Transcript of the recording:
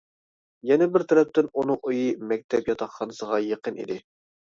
يەنە بىر تەرەپتىن ئۇنىڭ ئۆيى مەكتەپ ياتاقخانىسىغا يېقىن ئىدى.